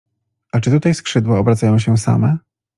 — A czy tutaj skrzydła obracają się same?